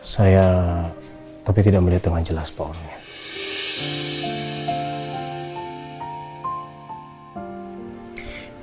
saya tapi tidak boleh tengah jelas paham